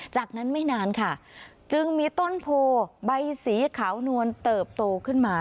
จากนั้นไม่นานค่ะจึงมีต้นโพใบสีขาวนวลเติบโตขึ้นมา